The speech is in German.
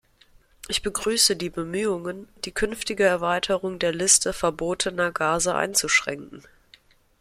Ich begrüße die Bemühungen, die künftige Erweiterung der Liste verbotener Gase einzuschränken.